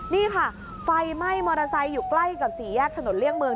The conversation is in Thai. นี่ค่ะไฟไหม้มอเตอร์ไซค์อยู่ใกล้กับสี่แยกถนนเลี่ยงเมือง